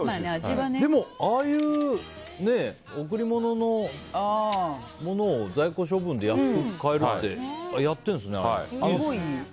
でもああいう贈り物のものを在庫処分で安く買えるってやってるんですね、いいですね。